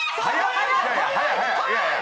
いやいや。